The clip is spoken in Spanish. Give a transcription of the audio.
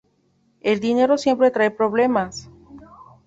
El dinero siempre trae problemas".